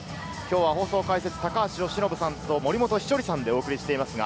放送解説、高橋由伸さんと、森本稀哲さんでお送りしています。